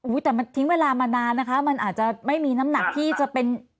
แต่มันทิ้งเวลามานานนะคะมันอาจจะไม่มีน้ำหนักที่จะเป็น